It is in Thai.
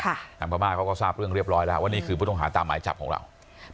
ทางพม่าเขาก็ทราบเรื่องเรียบร้อยแล้วว่านี่คือผู้ต้องหาตามหมายจับของเรา